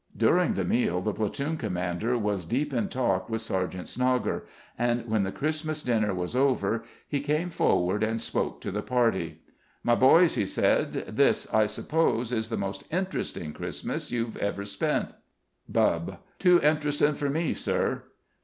During the meal the platoon commander was deep in talk with Sergeant Snogger and when the Christmas dinner was over he came forward and spoke to the party. "My boys," he said, "this, I suppose, is the most interesting Christmas you've ever spent." Bubb: "Too interestin' for me, sir."